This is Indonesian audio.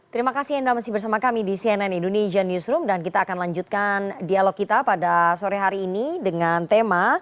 terima kasih anda masih bersama kami di cnn indonesia newsroom dan kita akan lanjutkan dialog kita pada sore hari ini dengan tema